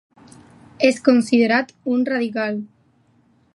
És considerat un radical.